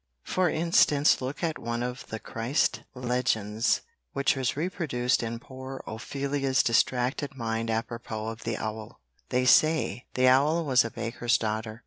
For instance look at one of the Christ legends which was reproduced in poor Ophelia's distracted mind apropos of the owl, "They say, the owl was a baker's daughter."